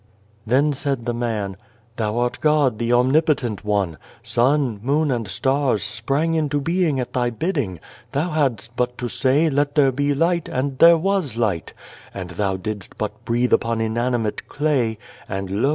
Then said the man :" Thou art God, the Omnipotent One. Sun, moon, and stars sprang into being at Thy bidding. Thou hadst but to say, ' Let there be light,' and there was light ; and Thou didst but breathe upon inanimate clay, and lo